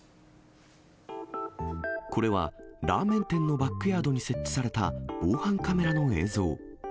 これは、ラーメン店のバックヤードに設置された防犯カメラの映像。